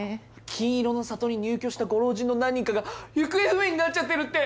金色の郷に入居したご老人の何人かが行方不明になっちゃってるって！